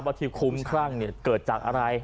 ว่าที่คุมข้างเกิดจากอะไร